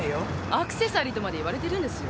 「アクセサリー」とまで言われてるんですよ。